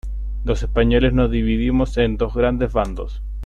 los españoles nos dividimos en dos grandes bandos: